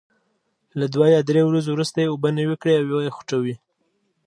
له دوه یا درې ورځو وروسته یې اوبه نوي کړئ او وې خوټوئ.